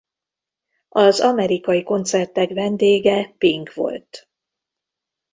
Az amerikai koncertek vendége Pink volt.